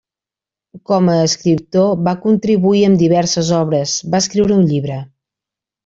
Com a escriptor, va contribuir amb diverses obres, va escriure un llibre.